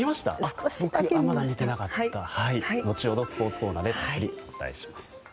後ほどスポーツコーナーでたっぷりお伝えします。